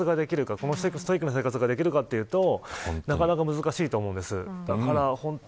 こんなストイックな生活ができるかというとなかなか難しいと思います。